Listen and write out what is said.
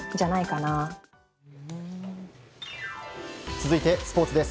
続いてスポーツです。